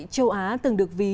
châu á từng được ví